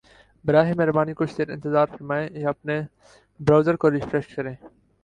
براہ مہربانی کچھ دیر انتظار فرمائیں یا اپنے براؤزر کو ریفریش کریں